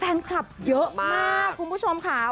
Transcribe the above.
แฟนคลับเยอะมากคุณผู้ชมค่ะ